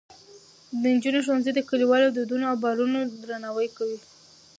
د نجونو ښوونځي د کلیوالو دودونو او باورونو درناوی کوي.